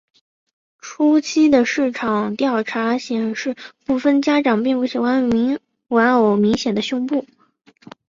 初期的市场调查显示部份家长并不喜欢玩偶明显的胸部。